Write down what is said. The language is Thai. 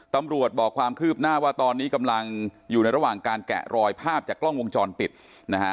บอกความคืบหน้าว่าตอนนี้กำลังอยู่ในระหว่างการแกะรอยภาพจากกล้องวงจรปิดนะฮะ